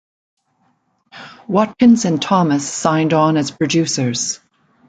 Watkins and Thomas signed on as producers.